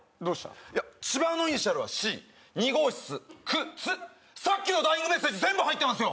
いやチバのイニシャルはＣ２号室くつさっきのダイイングメッセージ全部入ってますよ！